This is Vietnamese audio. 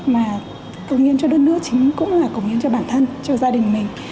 mà cống hiến cho đất nước chính cũng là cống hiến cho bản thân cho gia đình mình